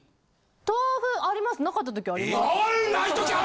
豆腐ありますなかった時あります。